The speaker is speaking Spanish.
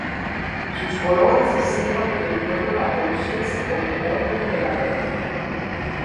Sus colores hicieron que el pueblo la conociese como "Orden de la Berenjena".